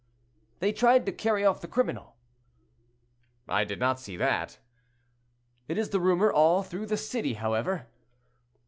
"They tried to carry off the criminal." "I did not see that." "It is the rumor all through the city, however."